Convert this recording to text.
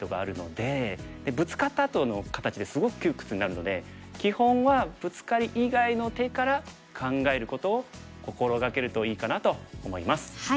でブツカったあとの形ってすごく窮屈になるので基本はブツカリ以外の手から考えることを心掛けるといいかなと思います。